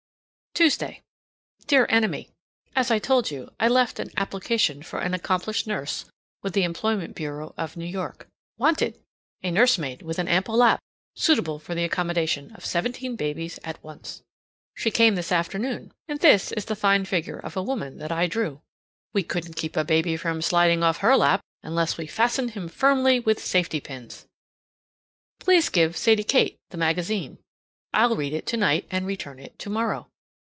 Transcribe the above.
Tuesday. Dear Enemy: As I told you, I left an application for an accomplished nurse with the employment bureau of New York. Wanted! A nurse maid with an ample lap suitable for the accommodation of seventeen babies at once. She came this afternoon, and this is the fine figure of a woman that I drew! We couldn't keep a baby from sliding off her lap unless we fastened him firmly with safety pins. Please give Sadie Kate the magazine. I'll read it tonight and return it tomorrow.